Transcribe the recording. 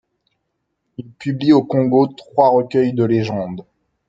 Il publie au Congo trois recueils de légendes.